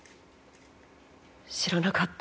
知らなかった。